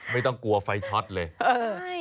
ไม่ต้องกลัวไฟช็อตเลย